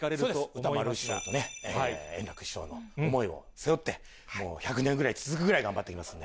歌丸師匠と円楽師匠の思いを背負って、もう１００年ぐらい続くぐらい頑張っていきますんで。